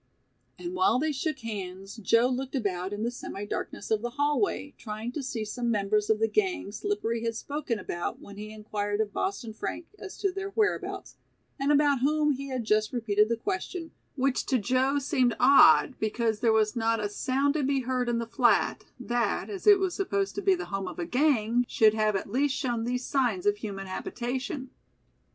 And while they shook hands Joe looked about in the semi darkness of the hallway trying to see some members of the gang Slippery had spoken about when he inquired of Boston Frank as to their whereabouts, and about whom he had just repeated the question, which to Joe seemed odd because there was not a sound to be heard in the flat, that, as it was supposed to be the home of a "gang", should have at least shown these signs of human habitation.